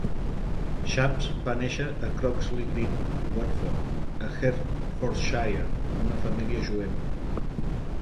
Shapps va néixer a Croxley Green, Watford, a Hertfordshire, en una família jueva.